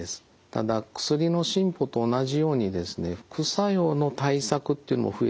ただ薬の進歩と同じようにですね副作用の対策っていうのも増えてきています。